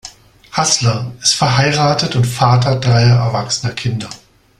Hassler ist verheiratet und Vater dreier erwachsener Kinder.